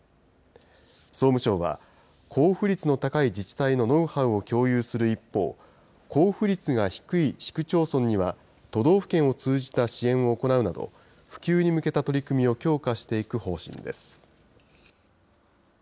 総務省は、交付率の高い自治体のノウハウを共有する一方、交付率が低い市区町村には、都道府県を通じた支援を行うなど、普及に向けた取り組みを強化していく方針です。